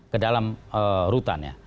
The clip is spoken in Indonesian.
ke dalam rutan ya